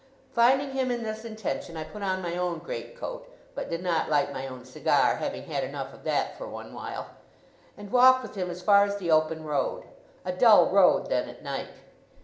Finding him in this intention, I put on my own great coat (but did not light my own cigar, having had enough of that for one while) and walked with him as far as the open road: a dull road, then, at night.